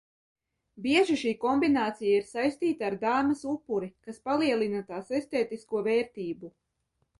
Bieži šī kombinācija ir saistīta ar dāmas upuri, kas palielina tās estētisko vērtību.